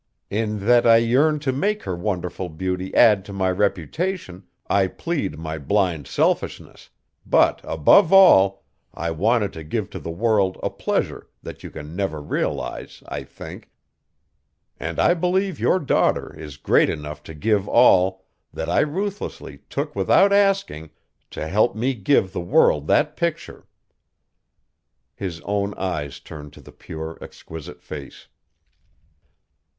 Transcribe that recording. In that I yearned to make her wonderful beauty add to my reputation, I plead my blind selfishness; but above all I wanted to give to the world a pleasure that you can never realize, I think, and I believe your daughter is great enough to give all, that I ruthlessly took without asking, to help me give the world that picture!" His own eyes turned to the pure, exquisite face.